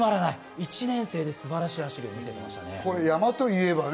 １年生で素晴らしい走りを見せていましたね。